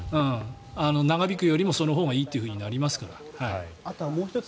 長引くよりもそのほうがいいってなりますから。